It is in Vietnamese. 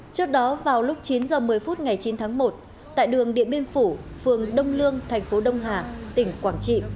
trước đó vào lúc chín h một mươi phút ngày chín tháng một tại đường điện biên phủ phường đông lương thành phố đông hà tỉnh quảng trị